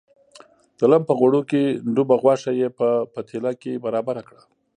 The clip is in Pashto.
د لم په غوړو کې ډوبه غوښه یې په پتیله کې برابره کړه.